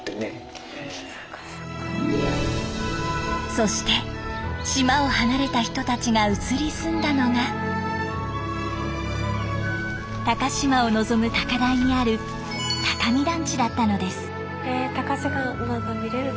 そして島を離れた人たちが移り住んだのが高島を望む高台にある高見団地だったのです。